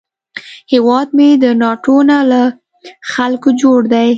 هیواد مې د ناټو نه، له خلکو جوړ دی